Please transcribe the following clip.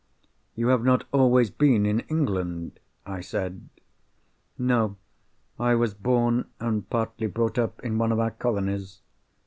"You have not always been in England?" I said. "No. I was born, and partly brought up, in one of our colonies.